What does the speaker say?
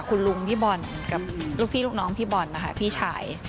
คุณลุงพี่บอลกับลูกพี่ลูกน้องพี่บอลนะคะพี่ชาย